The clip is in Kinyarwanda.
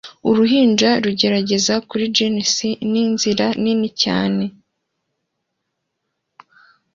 Uruhinja rugerageza kuri jeans ninzira nini cyane